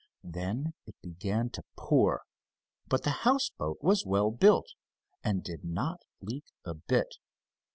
Then it began to pour. But the houseboat was well built, and did not leak a bit.